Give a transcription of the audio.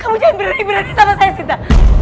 kamu jangan berani berani sama saya sinta